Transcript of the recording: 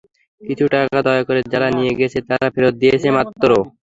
কিছু টাকা দয়া করে যারা নিয়ে গেছে, তারা ফেরত দিয়েছে মাত্র।